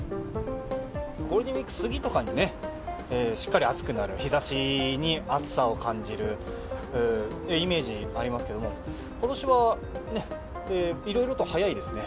ゴールデンウィーク過ぎとかにね、しっかり暑くなる、日ざしに暑さを感じるイメージありますけども、ことしはいろいろと早いですね。